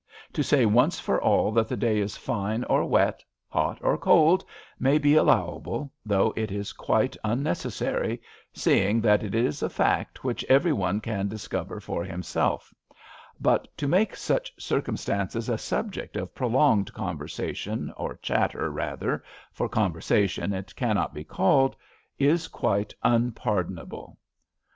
To say once for all that the day is fine or wet, hot or cold, may be allowable, though it is quite unnecessary, seeing it is a fact which every one can discover for himself ; but to make such cir cumstances a subject of pro longed conversation, or chatter rather, for conversation it cannot be called, is quite unpardonable."